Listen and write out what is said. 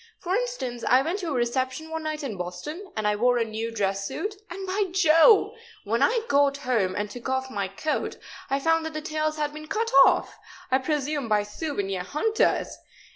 For instance, I went to a reception one night in Boston, and I wore a new dress suit, and, by Jove! when I got home and took my coat off I found that the tails had been cut off I presume by souvenir hunters!